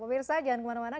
pemirsa jangan kemana mana